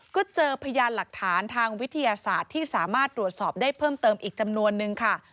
ก็เจอพยานหลักฐานทางวิทยาศาสตร์ที่สามารถตรวจสอบได้เพิ่มเติมอีกจำนวนนึงค่ะ